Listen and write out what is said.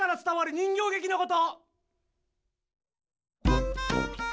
人形げきのこと。